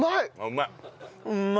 うまい。